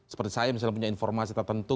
seperti saya misalnya punya informasi tertentu